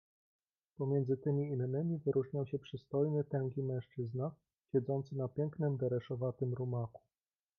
"Pomiędzy tymi „innymi” wyróżniał się przystojny, tęgi mężczyzna, siedzący na pięknym, dereszowatym rumaku."